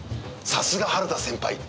「さすが春田先輩。